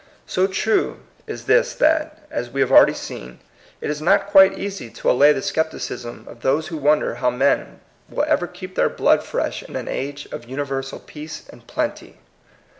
So true is this that, as we have already seen, it is not quite easy to allay the scepticism of 110 THS COMING PEOPLE. those who wonder how men will ever keep their blood fresh in an age of universal peace and plenty.